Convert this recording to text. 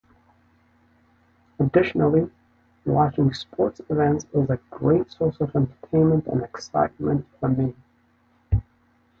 Additionally, watching sports events is a great source of entertainment and excitement for me.